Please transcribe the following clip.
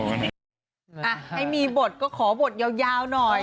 ให้มีบทก็ขอบทยาวหน่อย